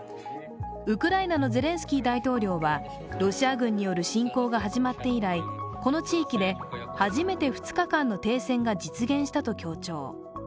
ウクライナのゼレンスキー大統領はロシア軍による侵攻が始まって以来、この地域で初めて２日間の停戦が実現したと強調。